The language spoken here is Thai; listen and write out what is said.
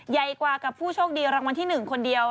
ใหญ่กว่ากับผู้โชคดีรางวัลที่๑คนเดียว